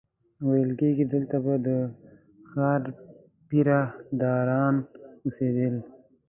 ویل کېږي دلته به د ښار پیره داران اوسېدل.